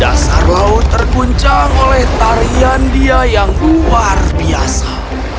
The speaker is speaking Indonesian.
dasar laut terguncang oleh tarian dia yang luar biasa